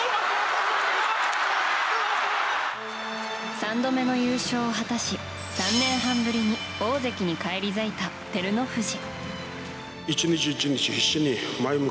３度目の優勝を果たし３年半ぶりに大関に返り咲いた照ノ富士。